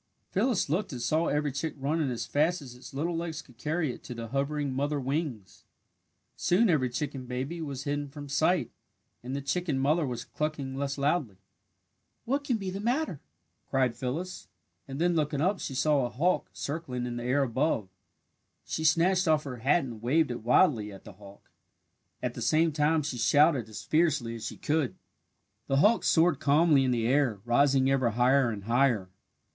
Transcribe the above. Phyllis looked and saw every chick running as fast as its little legs could carry it to the hovering mother wings. Soon every chicken baby was hidden from sight and the chicken mother was clucking less loudly. "What can be the matter?" cried Phyllis, and then looking up she saw a hawk circling in the air above. She snatched off her hat and waved it wildly at the hawk. At the same time she shouted as fiercely as she could. The hawk soared calmly in the air, rising ever higher and higher.